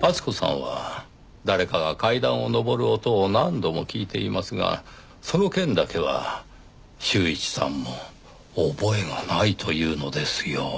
厚子さんは誰かが階段を上る音を何度も聞いていますがその件だけは柊一さんも覚えがないというのですよ。